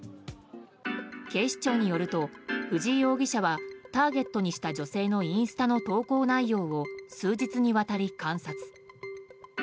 警視庁によると、藤井容疑者はターゲットにした女性のインスタの投稿内容を数日にわたり観察。